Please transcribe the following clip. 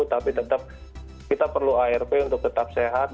tapi tetap kita perlu arp untuk tetap sehat